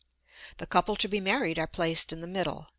The couple to be married are placed in the middle.